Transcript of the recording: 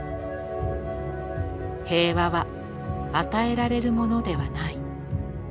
平和は与えられるものではない。